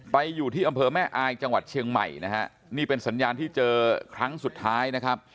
ไปอยู่ที่อำเภอแม่อายจังหวัดเชียงใหม่นะฮะนี่เป็นสัญญาณที่เจอครั้งสุดท้ายนะครับ